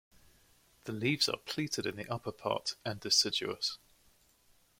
The leaves are pleated in the upper part and deciduous.